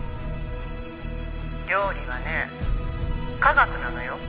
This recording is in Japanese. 「料理はね科学なのよ」